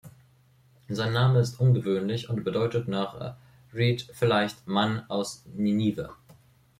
Sein Name ist ungewöhnlich und bedeutet nach Reade vielleicht „Mann aus Ninive“.